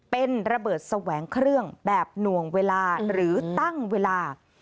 เป็นระเบิดแสวงเครื่องแบบหน่วงเวลาหรือตั้งเวลา